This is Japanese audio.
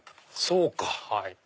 そうか！